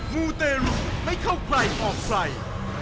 มูเตรุไม่เข้าใครออกใคร